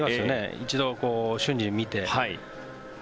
一度、瞬時に見て。